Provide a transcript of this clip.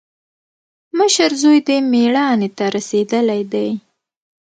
مشر زوی دې مېړانې ته رسېدلی دی.